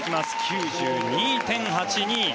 ９２．８２。